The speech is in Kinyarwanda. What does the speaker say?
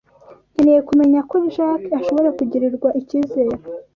Nkeneye kumenya ko Jack ashobora kugirirwa ikizere.